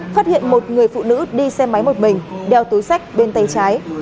phát hiện một người phụ nữ đi xe máy một mình đeo túi sách bên tay trái